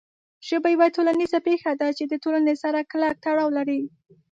ژبه یوه ټولنیزه پېښه ده چې د ټولنې سره کلک تړاو لري.